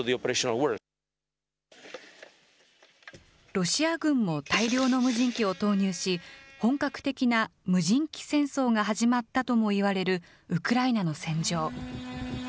ロシア軍も大量の無人機を投入し、本格的な無人機戦争が始まったともいわれるウクライナの戦場。